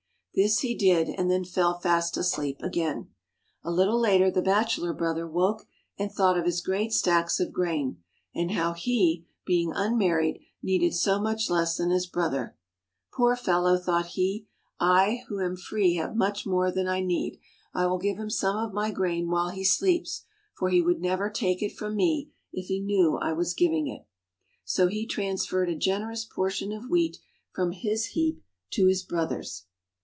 This he did, and then fell fast asleep again. A little later the bachelor brother woke and thought of his great stacks of grain and how he, being unmarried, needed so much less than his brother. "Poor fellow/' thought he, "I who am free have much more than I need, I will give him some of my grain while he sleeps, for he would never take it from me if he knew I was giving it." So he transferred a generous portion of wheat from his heap to his brother's.